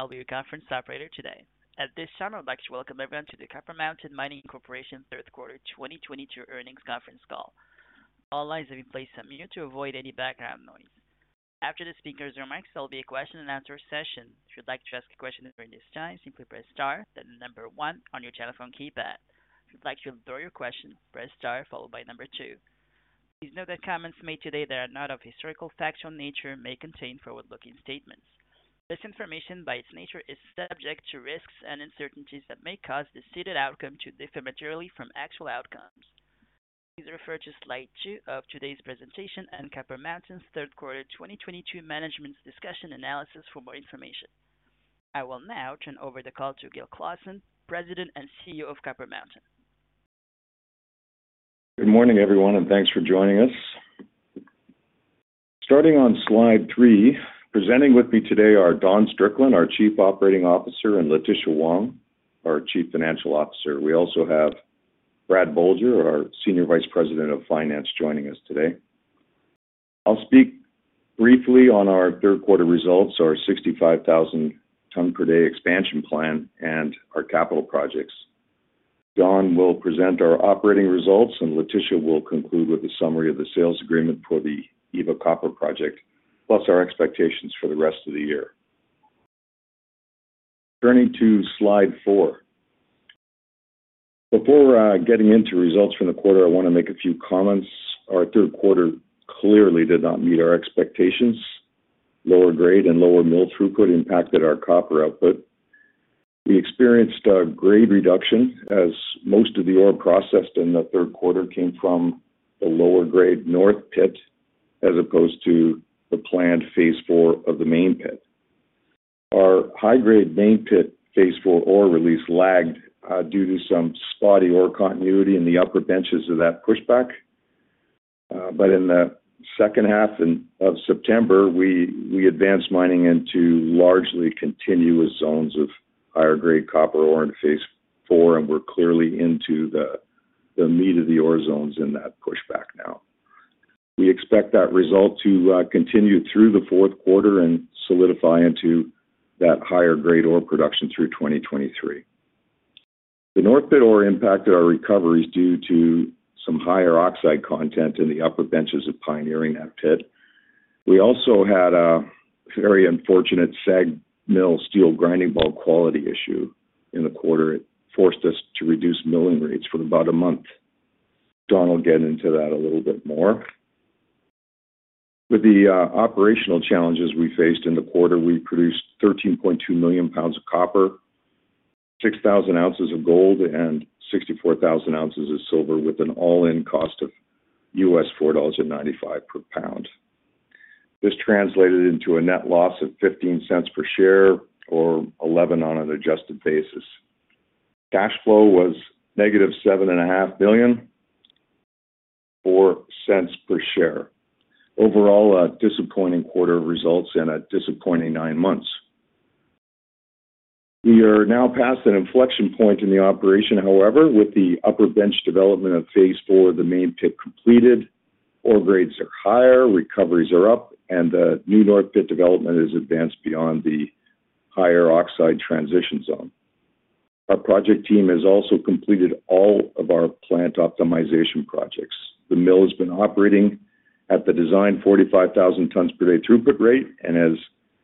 I'll be your conference operator today. At this time, I'd like to welcome everyone to the Copper Mountain Mining Corporation third quarter 2022 earnings conference call. All lines have been placed on mute to avoid any background noise. After the speaker's remarks, there'll be a question and answer session. If you'd like to ask a question during this time, simply press star, then number one on your telephone keypad. If you'd like to withdraw your question, press star followed by number two. Please note that comments made today that are not of historical factual nature may contain forward-looking statements. This information by its nature is subject to risks and uncertainties that may cause the stated outcome to differ materially from actual outcomes. Please refer to slide 2 of today's presentation and Copper Mountain's third quarter 2022 Management's Discussion and Analysis for more information. I will now turn over the call to Gil Clausen, President and CEO of Copper Mountain. Good morning, everyone, and thanks for joining us. Starting on slide three, presenting with me today are Donald Strickland, our Chief Operating Officer, and Letitia Wong, our Chief Financial Officer. We also have Brad Bolger, our Senior Vice President of Finance, joining us today. I'll speak briefly on our third quarter results, our 65,000 tons per day expansion plan, and our capital projects. Don will present our operating results, and Letitia will conclude with a summary of the sales agreement for the Eva Copper Project, plus our expectations for the rest of the year. Turning to slide four. Before getting into results from the quarter, I wanna make a few comments. Our third quarter clearly did not meet our expectations. Lower grade and lower mill throughput impacted our copper output. We experienced a grade reduction as most of the ore processed in the third quarter came from the lower grade North Pit as opposed to the planned phase IV of the Main Pit. Our high grade Main Pit phase IV ore release lagged due to some spotty ore continuity in the upper benches of that pushback. In the second half of September, we advanced mining into largely continuous zones of higher grade copper ore in phase IV, and we're clearly into the meat of the ore zones in that pushback now. We expect that result to continue through the fourth quarter and solidify into that higher grade ore production through 2023. The North Pit ore impacted our recoveries due to some higher oxide content in the upper benches of pioneering that pit. We also had a very unfortunate SAG mill steel grinding ball quality issue in the quarter. It forced us to reduce milling rates for about a month. Don will get into that a little bit more. With the operational challenges we faced in the quarter, we produced 13.2 million pounds of copper, 6,000 ounces of gold, and 64,000 ounces of silver with an all-in cost of $4.95 per pound. This translated into a net loss of 0.15 per share or 0.11 on an adjusted basis. Cash flow was negative 7.5 million or 0.075 per share. Overall, a disappointing quarter of results and a disappointing nine months. We are now past an inflection point in the operation, however, with the upper bench development of phase IV of the Main Pit completed, ore grades are higher, recoveries are up, and the new North Pit development has advanced beyond the higher oxide transition zone. Our project team has also completed all of our plant optimization projects. The mill has been operating at the design 45,000 tons per day throughput rate and has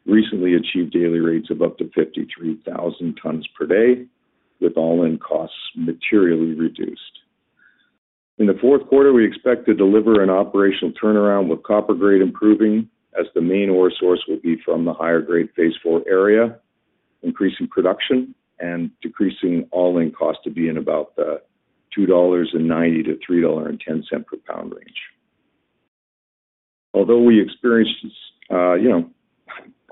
recently achieved daily rates of up to 53,000 tons per day with all-in costs materially reduced. In the fourth quarter, we expect to deliver an operational turnaround with copper grade improving as the main ore source will be from the higher grade phase IV area, increasing production and decreasing all-in cost to be in about the $2.90-$3.10 per pound range. Although we experienced, you know,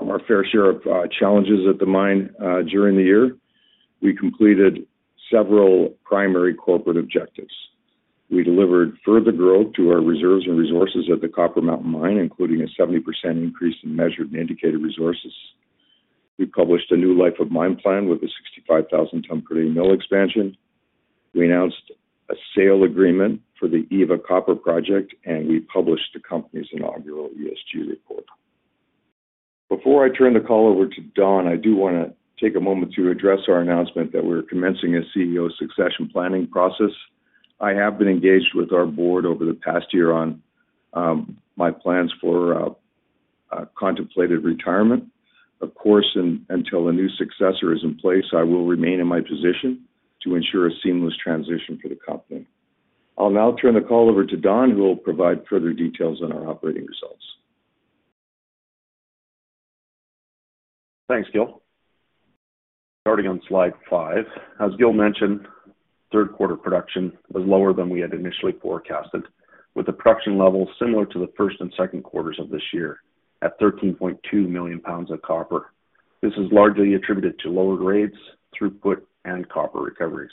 our fair share of challenges at the mine during the year, we completed several primary corporate objectives. We delivered further growth to our reserves and resources at the Copper Mountain Mine, including a 70% increase in measured and indicated resources. We published a new life of mine plan with a 65,000 ton per day mill expansion. We announced a sale agreement for the Eva Copper Project, and we published the company's inaugural ESG report. Before I turn the call over to Don, I do wanna take a moment to address our announcement that we're commencing a CEO succession planning process. I have been engaged with our board over the past year on my plans for a contemplated retirement. Of course, until a new successor is in place, I will remain in my position to ensure a seamless transition for the company. I'll now turn the call over to Don, who will provide further details on our operating results. Thanks, Gil. Starting on slide five. As Gil mentioned, third quarter production was lower than we had initially forecasted, with the production level similar to the first and second quarters of this year at 13.2 million pounds of copper. This is largely attributed to lower grades, throughput, and copper recoveries.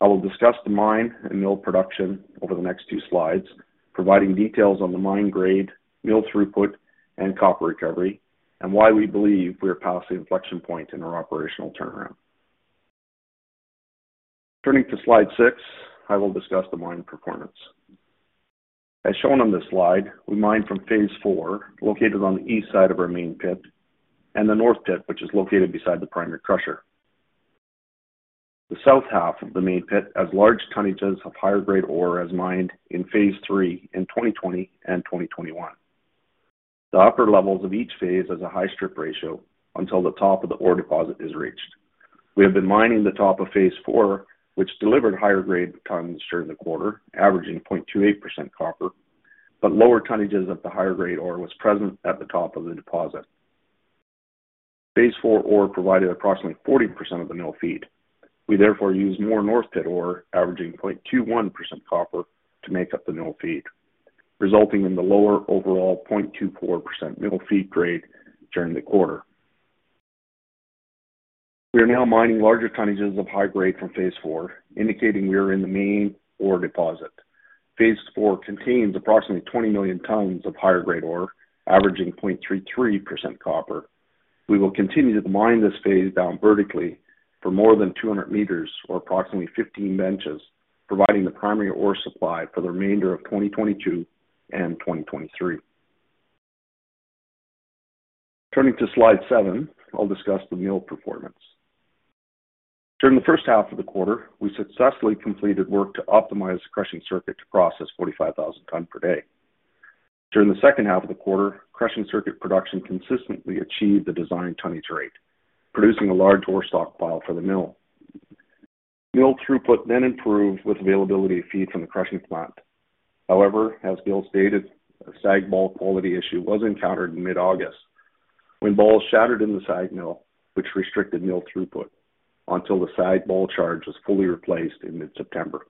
I will discuss the mine and mill production over the next two slides, providing details on the mine grade, mill throughput, and copper recovery, and why we believe we are past the inflection point in our operational turnaround. Turning to slide 6, I will discuss the mining performance. As shown on this slide, we mine from phase IV, located on the east side of our main pit, and the north pit, which is located beside the primary crusher. The south half of the main pit has large tonnages of higher grade ore as mined in phase III in 2020 and 2021. The upper levels of each phase has a high strip ratio until the top of the ore deposit is reached. We have been mining the top of phase IV, which delivered higher grade tons during the quarter, averaging 0.28% copper, but lower tonnages at the higher grade ore was present at the top of the deposit. Phase IV ore provided approximately 40% of the mill feed. We therefore use more North Pit ore averaging 0.21% copper to make up the mill feed, resulting in the lower overall 0.24% mill feed grade during the quarter. We are now mining larger tonnages of high grade from phase IV, indicating we are in the main ore deposit. Phase IV contains approximately 20 million tons of higher grade ore, averaging 0.33% copper. We will continue to mine this phase down vertically for more than 200 meters or approximately 15 benches, providing the primary ore supply for the remainder of 2022 and 2023. Turning to slide 7, I'll discuss the mill performance. During the first half of the quarter, we successfully completed work to optimize crushing circuit to process 45,000 tons per day. During the second half of the quarter, crushing circuit production consistently achieved the design tonnage rate, producing a large ore stockpile for the mill. Mill throughput then improved with availability of feed from the crushing plant. However, as Gil stated, a SAG ball quality issue was encountered in mid-August when balls shattered in the SAG mill, which restricted mill throughput until the SAG ball charge was fully replaced in mid-September.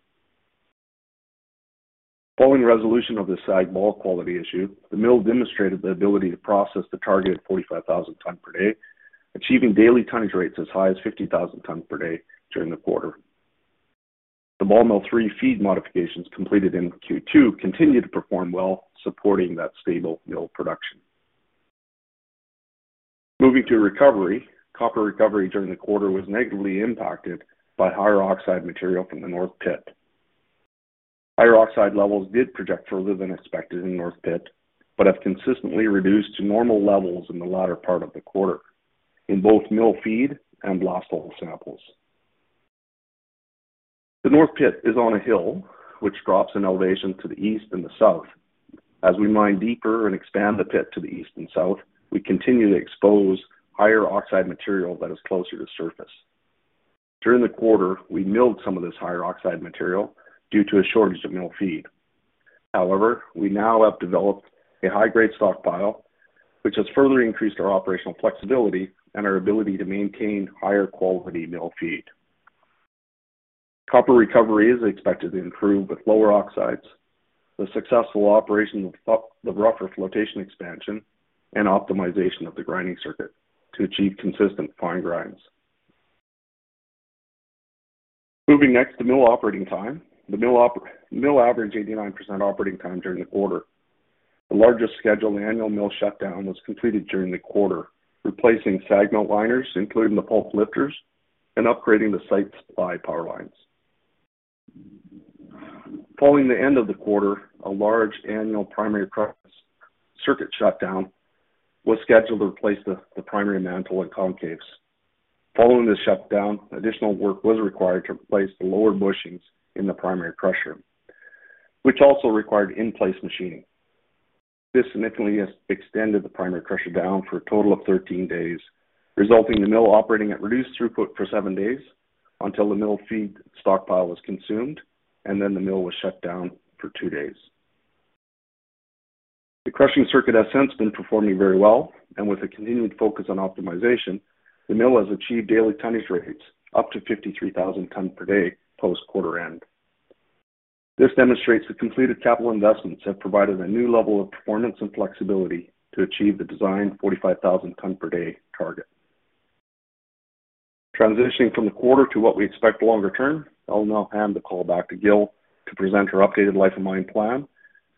Following resolution of the SAG ball quality issue, the mill demonstrated the ability to process the target of 45,000 tons per day, achieving daily tonnage rates as high as 50,000 tons per day during the quarter. The Ball Mill Three feed modifications completed in Q2 continued to perform well, supporting that stable mill production. Moving to recovery. Copper recovery during the quarter was negatively impacted by higher oxide material from the north pit. Higher oxide levels did project further than expected in North Pit, but have consistently reduced to normal levels in the latter part of the quarter in both mill feed and blast hole samples. The North Pit is on a hill which drops in elevation to the east and the south. As we mine deeper and expand the pit to the east and south, we continue to expose higher oxide material that is closer to surface. During the quarter, we milled some of this higher oxide material due to a shortage of mill feed. However, we now have developed a high-grade stockpile, which has further increased our operational flexibility and our ability to maintain higher quality mill feed. Copper recovery is expected to improve with lower oxides, the successful operation of the rougher flotation expansion, and optimization of the grinding circuit to achieve consistent fine grinds. Moving next to mill operating time. The mill averaged 89% operating time during the quarter. The largest scheduled annual mill shutdown was completed during the quarter, replacing SAG mill liners, including the pulp lifters and upgrading the site's supply power lines. Following the end of the quarter, a large annual primary crush circuit shutdown was scheduled to replace the primary mantle and concaves. Following the shutdown, additional work was required to replace the lower bushings in the primary crusher, which also required in-place machining. This significantly has extended the primary crusher down for a total of 13 days, resulting in the mill operating at reduced throughput for 7 days until the mill feed stockpile was consumed, and then the mill was shut down for 2 days. The crushing circuit has since been performing very well, and with a continued focus on optimization, the mill has achieved daily tonnage rates up to 53,000 tons per day post quarter end. This demonstrates the completed capital investments have provided a new level of performance and flexibility to achieve the design 45,000 ton per day target. Transitioning from the quarter to what we expect longer term, I'll now hand the call back to Gil to present our updated life of mine plan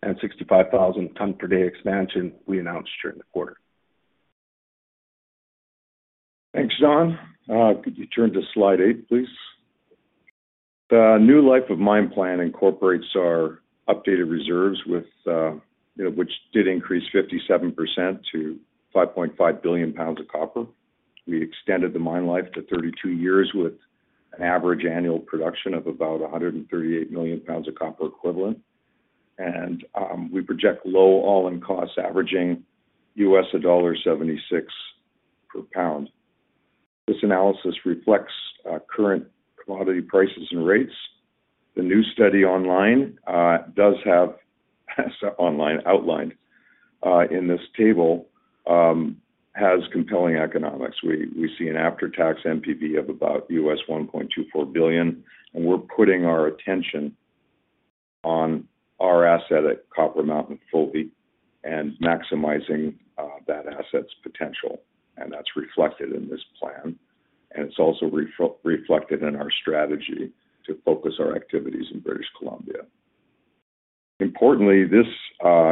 and 65,000 ton per day expansion we announced during the quarter. Thanks, Don. Could you turn to slide eight, please? The new life of mine plan incorporates our updated reserves with which did increase 57% to 5.5 billion pounds of copper. We extended the mine life to 32 years with an average annual production of about 138 million pounds of copper equivalent. We project low all-in costs averaging $1.76 per pound. This analysis reflects current commodity prices and rates. The new study outlined in this table has compelling economics. We see an after-tax NPV of about $1.24 billion, and we're putting our attention on our asset at Copper Mountain fully and maximizing that asset's potential, and that's reflected in this plan. It's also reflected in our strategy to focus our activities in British Columbia. Importantly, this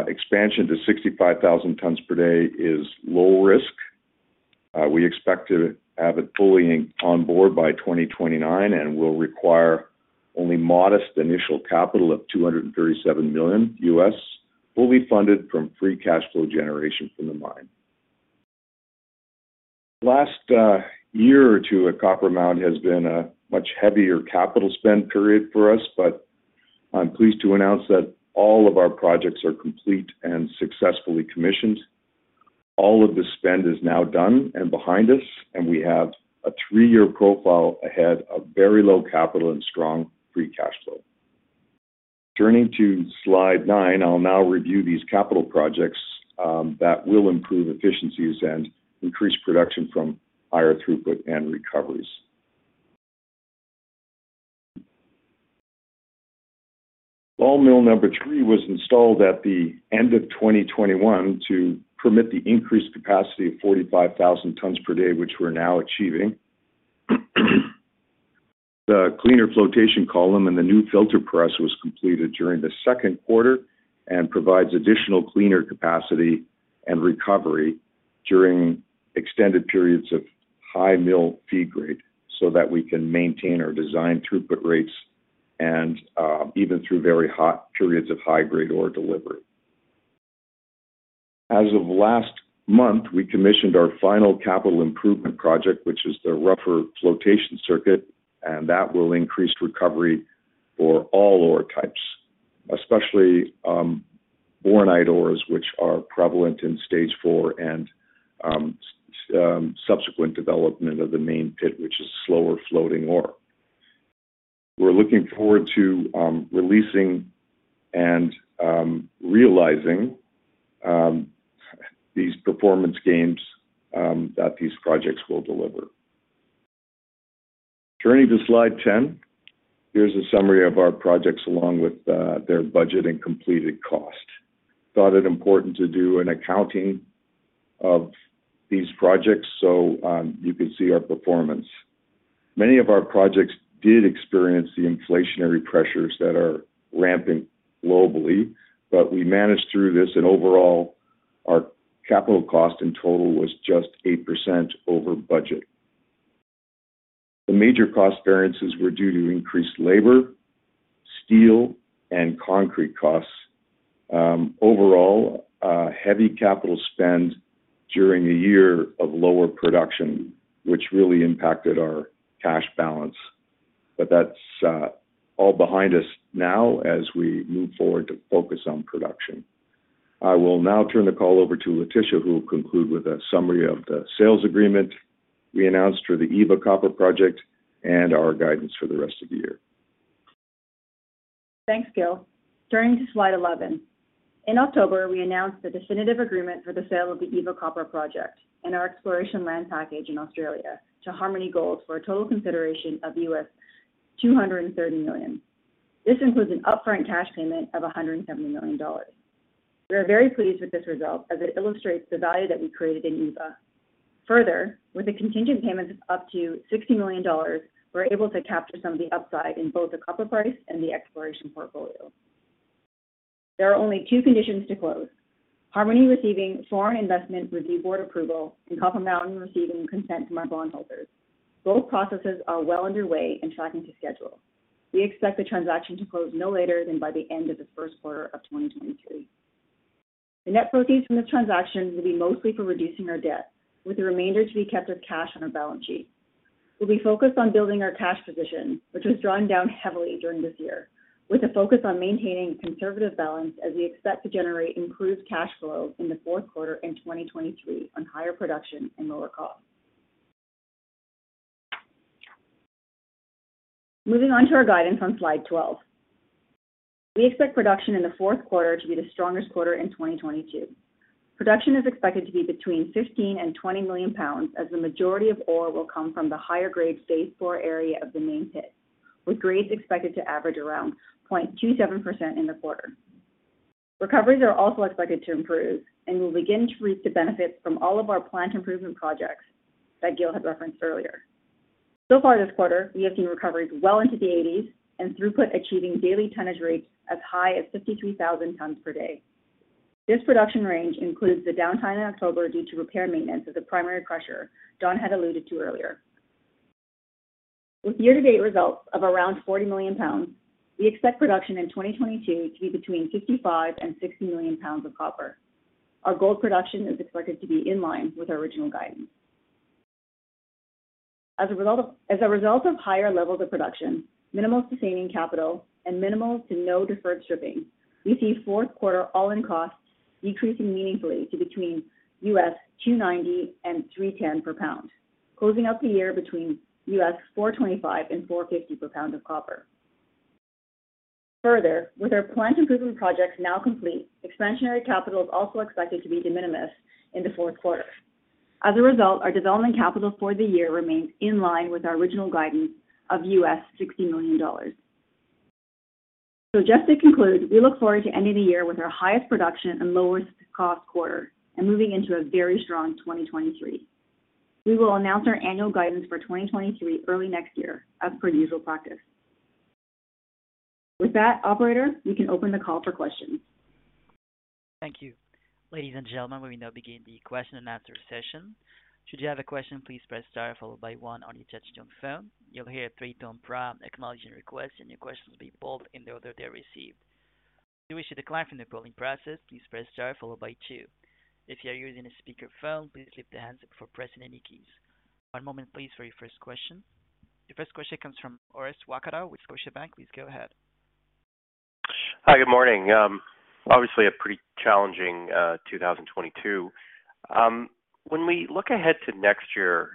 expansion to 65,000 tons per day is low risk. We expect to have it fully on board by 2029, and will require only modest initial capital of $237 million, fully funded from free cash flow generation from the mine. Last year or two at Copper Mountain has been a much heavier capital spend period for us, but I'm pleased to announce that all of our projects are complete and successfully commissioned. All of the spend is now done and behind us, and we have a three-year profile ahead of very low capital and strong free cash flow. Turning to slide 9, I'll now review these capital projects that will improve efficiencies and increase production from higher throughput and recoveries. Ball Mill Number Three was installed at the end of 2021 to permit the increased capacity of 45,000 tons per day, which we're now achieving. The cleaner flotation column and the new filter press was completed during the second quarter and provides additional cleaner capacity and recovery during extended periods of high mill feed grade, so that we can maintain our design throughput rates and even through periods of high grade ore delivery. As of last month, we commissioned our final capital improvement project, which is the rougher flotation circuit, and that will increase recovery for all ore types, especially bornite ores which are prevalent in stage four and subsequent development of the main pit, which is slower floating ore. We're looking forward to releasing and realizing these performance gains that these projects will deliver. Turning to slide 10, here's a summary of our projects along with their budget and completed cost. Thought it important to do an accounting of these projects so you can see our performance. Many of our projects did experience the inflationary pressures that are rampant globally, but we managed through this, and overall, our capital cost in total was just 8% over budget. The major cost variances were due to increased labor, steel, and concrete costs. Overall, heavy capital spend during a year of lower production, which really impacted our cash balance. That's all behind us now as we move forward to focus on production. I will now turn the call over to Letitia, who will conclude with a summary of the sales agreement we announced for the Eva Copper Project and our guidance for the rest of the year. Thanks, Gil. Turning to slide 11. In October, we announced the definitive agreement for the sale of the Eva Copper Project and our exploration land package in Australia to Harmony Gold for a total consideration of $230 million. This includes an upfront cash payment of $170 million. We are very pleased with this result as it illustrates the value that we created in Eva. Further, with the contingent payments of up to $60 million, we're able to capture some of the upside in both the copper price and the exploration portfolio. There are only two conditions to close. Harmony receiving Foreign Investment Review Board approval, and Copper Mountain receiving consent from our bondholders. Both processes are well underway and tracking to schedule. We expect the transaction to close no later than by the end of the first quarter of 2023. The net proceeds from this transaction will be mostly for reducing our debt, with the remainder to be kept as cash on our balance sheet. We'll be focused on building our cash position, which was drawn down heavily during this year, with a focus on maintaining conservative balance as we expect to generate improved cash flow in the fourth quarter in 2023 on higher production and lower cost. Moving on to our guidance on slide 12. We expect production in the fourth quarter to be the strongest quarter in 2022. Production is expected to be between 15 and 20 million pounds, as the majority of ore will come from the higher grade stage four area of the main pit, with grades expected to average around 0.27% in the quarter. Recoveries are also expected to improve, and we'll begin to reap the benefits from all of our plant improvement projects that Gil had referenced earlier. So far this quarter, we have seen recoveries well into the 80s and throughput achieving daily tonnage rates as high as 53,000 tons per day. This production range includes the downtime in October due to repair maintenance of the primary crusher Don had alluded to earlier. With year-to-date results of around 40 million pounds, we expect production in 2022 to be between 55 and 60 million pounds of copper. Our gold production is expected to be in line with our original guidance. As a result of higher levels of production, minimal sustaining capital, and minimal to no deferred stripping, we see fourth quarter all-in costs decreasing meaningfully to between $2.90 and $3.10 per pound, closing out the year between $4.25 and $4.50 per pound of copper. Further, with our plant improvement projects now complete, expansionary capital is also expected to be de minimis in the fourth quarter. As a result, our development capital for the year remains in line with our original guidance of $60 million. Just to conclude, we look forward to ending the year with our highest production and lowest cost quarter and moving into a very strong 2023. We will announce our annual guidance for 2023 early next year, as per the usual practice. With that, operator, we can open the call for questions. Thank you. Ladies and gentlemen, we now begin the question and answer session. Should you have a question, please press star followed by one on your touchtone phone. You'll hear a three-tone prompt acknowledging requests, and your questions will be polled in the order they're received. If you wish to decline from the polling process, please press star followed by two. If you are using a speakerphone, please lift the handset before pressing any keys. One moment please for your first question. The first question comes from Orest Wowkodaw with Scotiabank. Please go ahead. Hi, good morning. Obviously a pretty challenging 2022. When we look ahead to next year,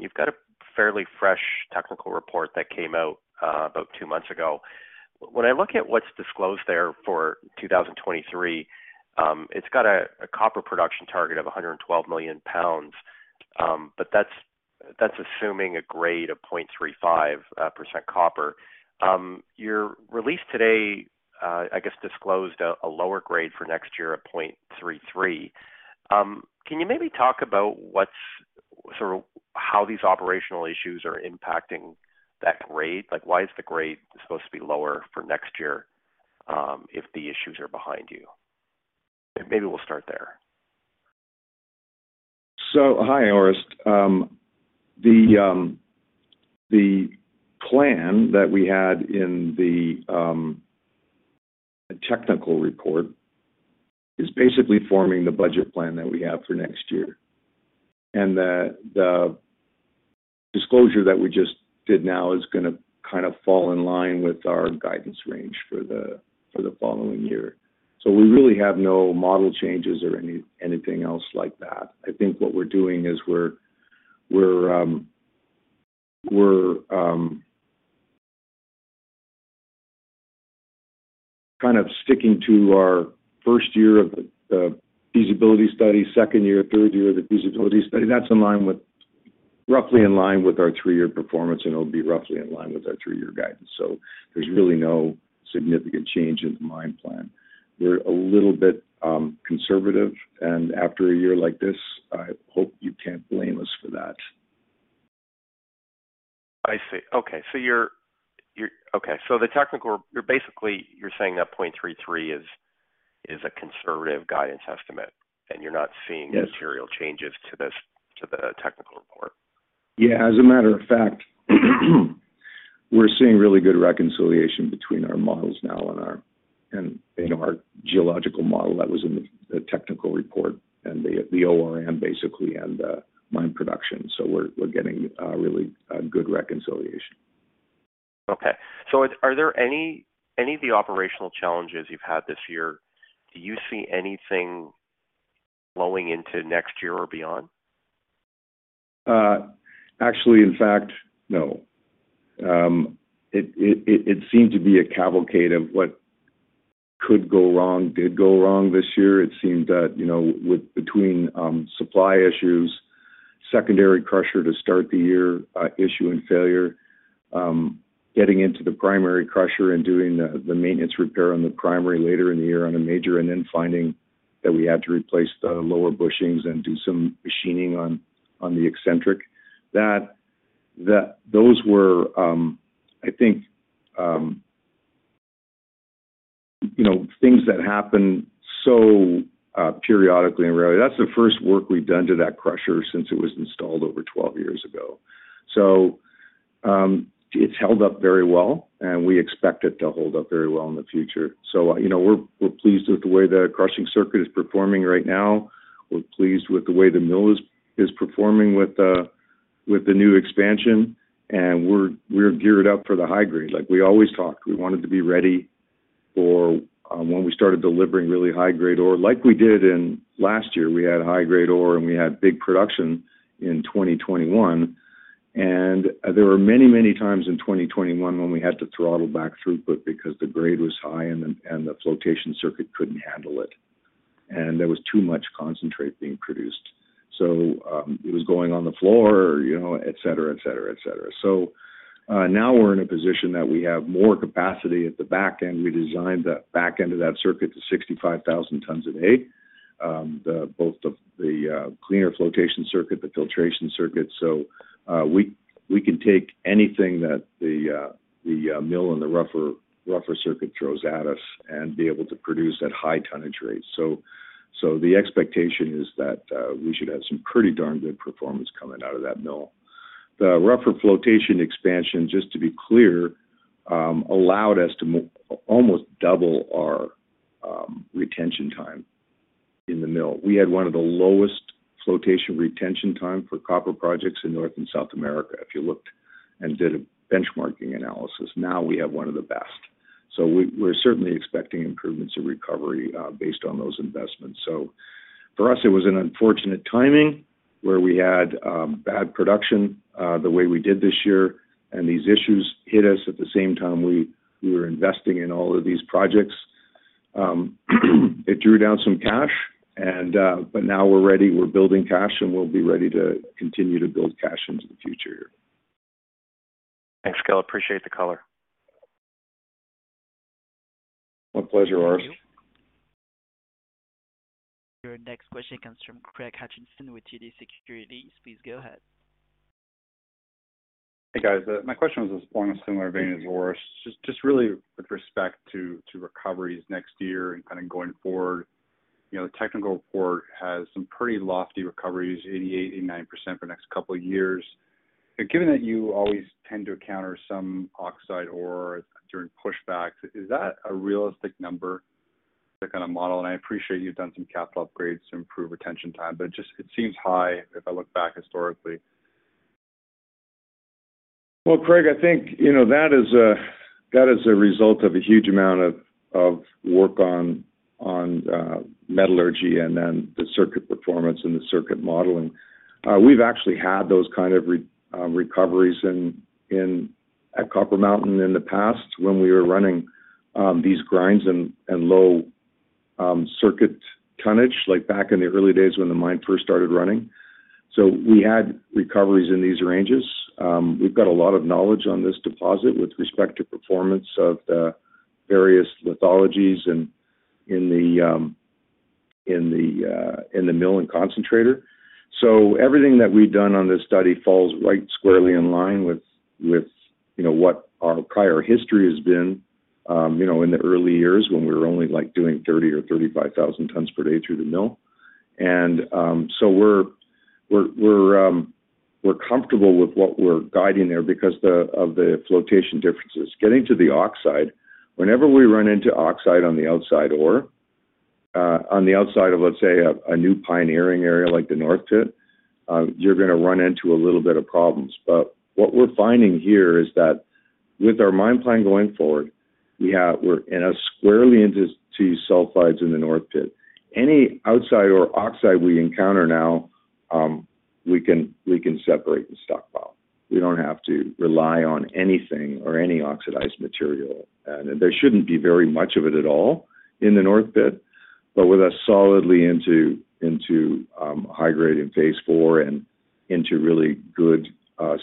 you've got a fairly fresh technical report that came out about two months ago. When I look at what's disclosed there for 2023, it's got a copper production target of 112 million pounds. But that's assuming a grade of 0.35% copper. Your release today, I guess disclosed a lower grade for next year at 0.33. Can you maybe talk about what's sort of how these operational issues are impacting that grade? Like, why is the grade supposed to be lower for next year, if the issues are behind you? Maybe we'll start there. Hi, Orest. The plan that we had in the technical report is basically forming the budget plan that we have for next year. The disclosure that we just did now is gonna kinda fall in line with our guidance range for the following year. We really have no model changes or anything else like that. I think what we're doing is we're kind of sticking to our first year of the feasibility study, second year, third year of the feasibility study. That's roughly in line with our three-year performance, and it'll be roughly in line with our three-year guidance. There's really no significant change in the mine plan. We're a little bit conservative, and after a year like this, I hope you can't blame us for that. I see. Okay. You're basically saying that 0.33 is a conservative guidance estimate, and you're not seeing- Yes. Material changes to this, to the technical report? Yeah. As a matter of fact, we're seeing really good reconciliation between our models now and our you know our geological model that was in the technical report and the ORM, basically and mine production. We're getting really good reconciliation. Okay. Are there any of the operational challenges you've had this year, do you see anything flowing into next year or beyond? Actually, in fact, no. It seemed to be a cavalcade of what could go wrong did go wrong this year. It seemed that, you know, with supply issues, secondary crusher to start the year, issue and failure, getting into the primary crusher and doing the maintenance repair on the primary later in the year on a major, and then finding that we had to replace the lower bushings and do some machining on the eccentric. Those were, I think, you know, things that happen so periodically and rarely. That's the first work we've done to that crusher since it was installed over 12 years ago. It's held up very well, and we expect it to hold up very well in the future. you know, we're pleased with the way the crushing circuit is performing right now. We're pleased with the way the mill is performing with the new expansion, and we're geared up for the high grade. Like we always talked, we wanted to be ready for when we started delivering really high grade ore. Like we did in last year, we had high grade ore, and we had big production in 2021. There were many times in 2021 when we had to throttle back throughput because the grade was high and the flotation circuit couldn't handle it. There was too much concentrate being produced. It was going on the floor, you know, et cetera. Now we're in a position that we have more capacity at the back end. We designed the back end of that circuit to 65,000 tons a day. Both the cleaner flotation circuit, the filtration circuit. We can take anything that the mill and the rougher circuit throws at us and be able to produce at high tonnage rates. The expectation is that we should have some pretty darn good performance coming out of that mill. The rougher flotation expansion, just to be clear, allowed us to almost double our retention time in the mill. We had one of the lowest flotation retention time for copper projects in North and South America, if you looked and did a benchmarking analysis. Now we have one of the best. We're certainly expecting improvements in recovery based on those investments. For us, it was an unfortunate timing, where we had bad production the way we did this year, and these issues hit us at the same time we were investing in all of these projects. It drew down some cash and. Now we're ready. We're building cash, and we'll be ready to continue to build cash into the future. Thanks, Gil. Appreciate the color. My pleasure, Orest. Your next question comes from Craig Hutchison with TD Securities. Please go ahead. Hey, guys. My question was along a similar vein as Orest. Just really with respect to recoveries next year and kind of going forward. You know, the technical report has some pretty lofty recoveries, 88%-89% for the next couple of years. Given that you always tend to encounter some oxide ore during pushbacks, is that a realistic number to kind of model? I appreciate you've done some capital upgrades to improve retention time, but it seems high if I look back historically. Well, Craig, I think, you know, that is a result of a huge amount of work on metallurgy and then the circuit performance and the circuit modeling. We've actually had those kind of recoveries at Copper Mountain in the past when we were running these grinds and low circuit tonnage, like back in the early days when the mine first started running. We had recoveries in these ranges. We've got a lot of knowledge on this deposit with respect to performance of the various lithologies and in the mill and concentrator. Everything that we've done on this study falls right squarely in line with you know what our prior history has been you know in the early years when we were only like doing 30 or 35,000 tons per day through the mill. We're comfortable with what we're guiding there because of the flotation differences. Getting to the oxide whenever we run into oxide on the outside ore on the outside of let's say a new pioneering area like the North Pit you're gonna run into a little bit of problems. What we're finding here is that with our mine plan going forward we're now squarely into sulfides in the North Pit. Any outside or oxide we encounter now we can separate and stockpile. We don't have to rely on anything or any oxidized material. There shouldn't be very much of it at all in the North Pit. With us solidly into high grade in phase IV and into really good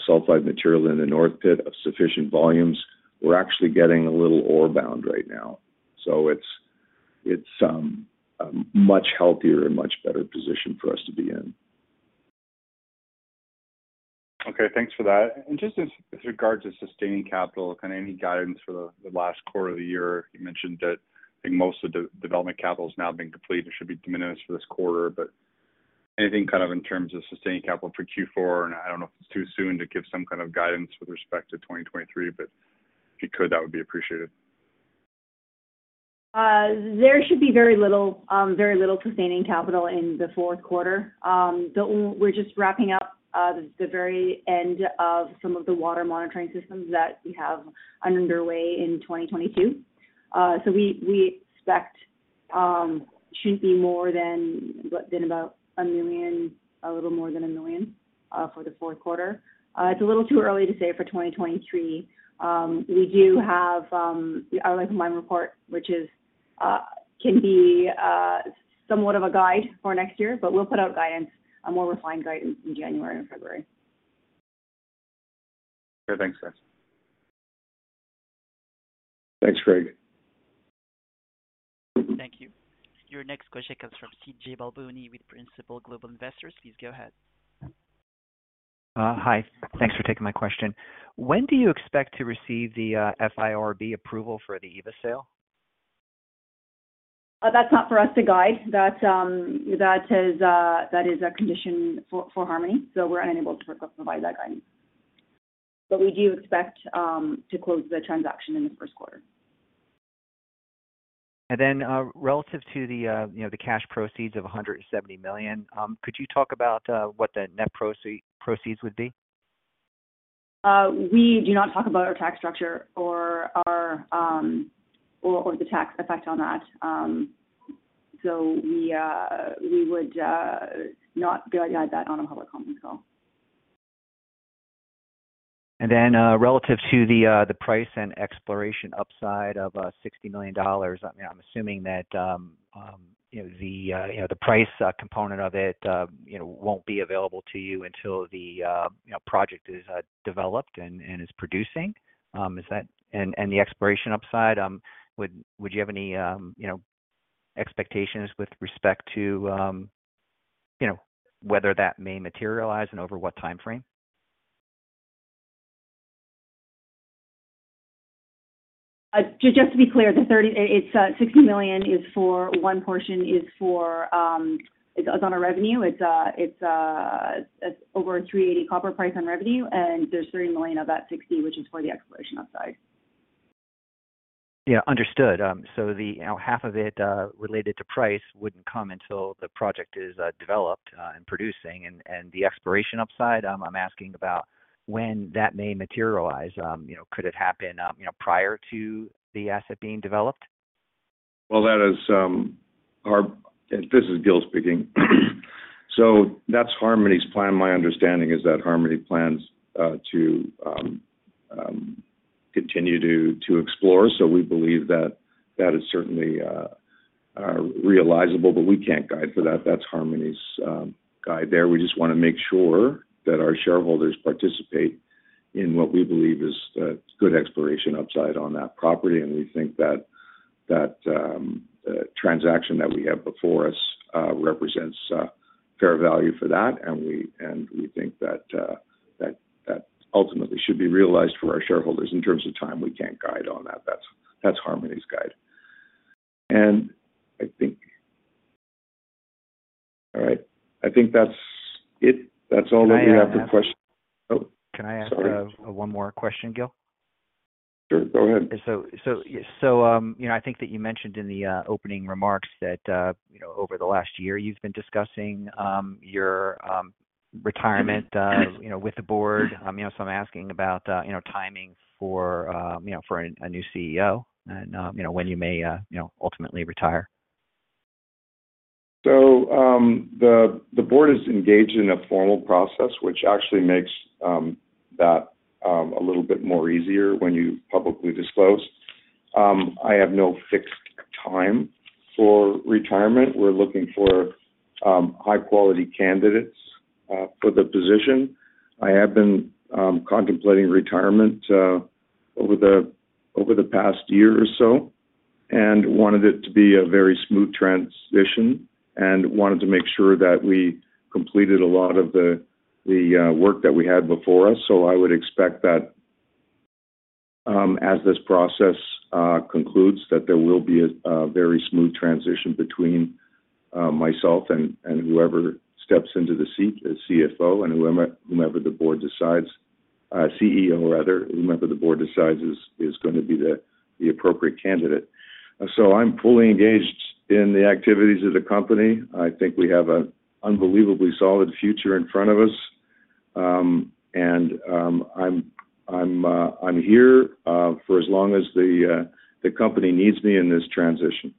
sulfide material in the North Pit of sufficient volumes, we're actually getting a little ore bound right now. It's a much healthier and much better position for us to be in. Okay. Thanks for that. Just as regards to sustaining capital, kind of any guidance for the last quarter of the year. You mentioned that I think most of the development capital has now been completed. It should be diminished for this quarter. Anything kind of in terms of sustaining capital for Q4? I don't know if it's too soon to give some kind of guidance with respect to 2023, but if you could, that would be appreciated. There should be very little sustaining capital in the fourth quarter. We're just wrapping up the very end of some of the water monitoring systems that we have underway in 2022. We expect shouldn't be more than about 1 million, a little more than 1 million for the fourth quarter. It's a little too early to say for 2023. We do have our life-of-mine report, which can be somewhat of a guide for next year. We'll put out guidance, a more refined guidance in January and February. Sure. Thanks, guys. Thanks, Craig. Thank you. Your next question comes from CJ Balboni with Principal Global Investors. Please go ahead. Hi. Thanks for taking my question. When do you expect to receive the FIRB approval for the Eva sale? That's not for us to guide. That is a condition for Harmony. We're unable to provide that guidance. We do expect to close the transaction in the first quarter. Relative to the, you know, the cash proceeds of 170 million, could you talk about what the net proceeds would be? We do not talk about our tax structure or the tax effect on that. We would not guide that on a public conference call. Relative to the price and exploration upside of 60 million dollars, I mean, I'm assuming that you know the price component of it you know won't be available to you until the you know project is developed and is producing. Is that? The exploration upside, would you have any you know expectations with respect to you know whether that may materialize and over what timeframe? Just to be clear, it's 60 million for one portion, it's on a revenue. It's over a $3.80 copper price on revenue. There's 30 million of that 60, which is for the exploration upside. Yeah, understood. The you know half of it related to price wouldn't come until the project is developed and producing. The exploration upside, I'm asking about when that may materialize. You know, could it happen you know prior to the asset being developed? This is Gil speaking. That's Harmony's plan. My understanding is that Harmony plans to continue to explore. We believe that is certainly realizable, but we can't guide for that. That's Harmony's guide there. We just wanna make sure that our shareholders participate in what we believe is the good exploration upside on that property. We think that transaction that we have before us represents fair value for that. We think that ultimately should be realized for our shareholders. In terms of time, we can't guide on that. That's Harmony's guide. All right. I think that's it. That's all that we have for questions. Can I ask? Oh, sorry. Can I ask one more question, Gil? Sure, go ahead. I think that you mentioned in the opening remarks that you know, over the last year you've been discussing your retirement you know, with the board. You know, I'm asking about you know, timing for you know, for a new CEO and you know, when you may you know, ultimately retire. The board is engaged in a formal process which actually makes that a little bit more easier when you publicly disclose. I have no fixed time for retirement. We're looking for high quality candidates for the position. I have been contemplating retirement over the past year or so, and wanted it to be a very smooth transition and wanted to make sure that we completed a lot of the work that we had before us. I would expect that as this process concludes that there will be a very smooth transition between myself and whoever steps into the seat as CFO and whomever the board decides CEO rather, whomever the board decides is gonna be the appropriate candidate. I'm fully engaged in the activities of the company. I think we have an unbelievably solid future in front of us. I'm here for as long as the company needs me in this transition.